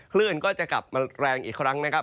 คลื่นก็จะกลับมาแรงอีกครั้งนะครับ